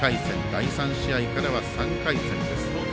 第３試合からは３回戦です。